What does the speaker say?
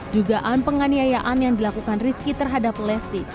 dugaan penganiayaan yang dilakukan rizky terhadap lesti